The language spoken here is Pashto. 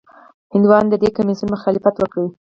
هندیانو د دې کمیسیون مخالفت وکړ.